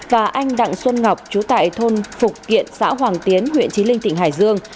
và anh đặng xuân ngọc chú tại thôn phục kiện xã hoàng tiến huyện trí linh tỉnh hải dương